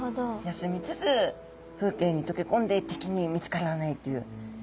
休みつつ風景にとけこんで敵に見つからないという。